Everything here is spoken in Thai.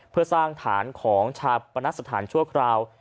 เพื่อสร้างฐานของชาปนสถานชั่วคราว